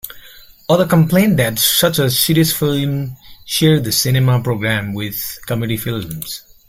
Others complained that such a serious film shared the cinema programme with comedy films.